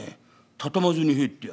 畳まずに入ってやがる。